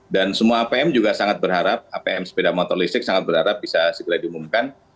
dan semua apm juga sangat berharap apm sepeda motor listrik sangat berharap bisa segera diumumkan